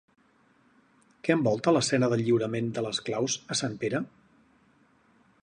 Què envolta l'escena del lliurament de les claus a sant Pere?